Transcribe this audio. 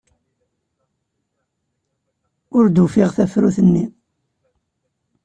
Ur d-ufiɣ tafrut-nni.